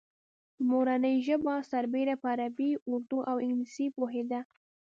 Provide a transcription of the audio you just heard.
په مورنۍ ژبه سربېره په عربي، اردو او انګلیسي پوهېده.